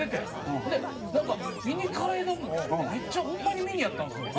ほんでなんかミニカレー丼もめっちゃホンマにミニやったんですよ。